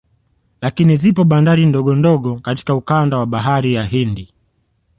Lakini zipo bandari ndogo ndogo katika ukanda wa bahari hii ya Hindi